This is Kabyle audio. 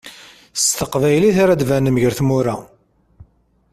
S teqbaylit ara d-banem gar tmura.